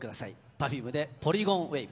Ｐｅｒｆｕｍｅで『ポリゴンウェイヴ』。